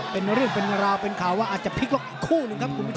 เป็นเรื่องเป็นราวเป็นข่าวว่าอาจจะพลิกล็อกคู่หนึ่งครับคุณผู้ชม